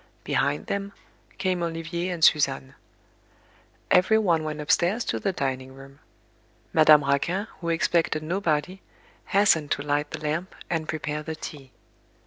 Behind them, came Olivier and Suzanne. Everyone went upstairs to the dining room. Madame Raquin who expected nobody, hastened to light the lamp, and prepare the tea.